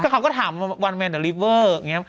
เขาก็ถามวันแมนเดอร์ลิเวอร์